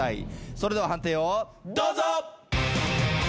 それでは判定をどうぞ！